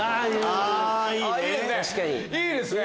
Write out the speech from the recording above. いいですね。